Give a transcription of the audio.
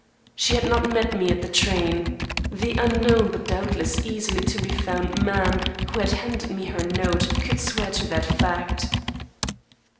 She had not met me at the train. The unknown but doubtless easily to be found man who had handed me her note could swear to that fact.